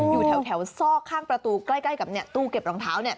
อยู่แถวซอกข้างประตูใกล้กับตู้เก็บรองเท้า